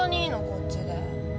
こっちで。